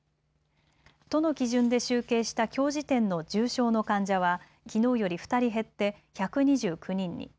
都の基準で集計したきょう時点の重症の患者は、きのうより２人減って１２９人に。